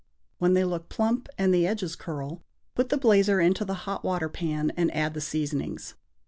When they look plump and the edges curl, put the blazer into the hot water pan and add the seasonings.